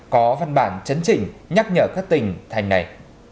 có văn bản chấn chỉnh nhắc nhở các tỉnh thành này